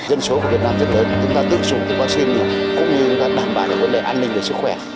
dân số của việt nam rất lớn chúng ta tự chủ được vaccine cũng như đảm bảo được vấn đề an ninh và sức khỏe